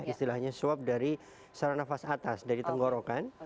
istilahnya swab dari saluran nafas atas dari tenggorokan